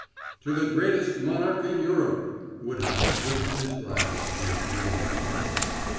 "To the greatest monarch in Europe!" Woodhouse lifted his glass and drained it.